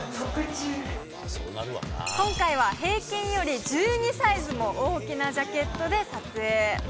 今回は平均より１２サイズも大きなジャケットで撮影。